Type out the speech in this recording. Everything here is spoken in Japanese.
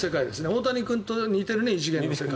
大谷君と似てるね。